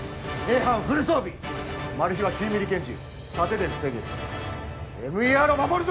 班フル装備マル被は９ミリ拳銃盾で防げるＭＥＲを守るぞ！